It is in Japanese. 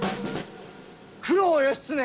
九郎義経